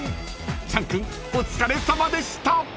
［チャン君お疲れさまでした］